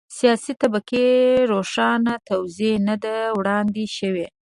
سیاسي طبقې روښانه توضیح نه ده وړاندې شوې.